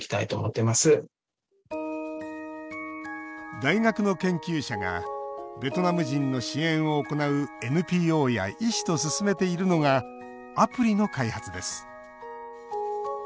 大学の研究者がベトナム人の支援を行うＮＰＯや医師と進めているのがアプリの開発です。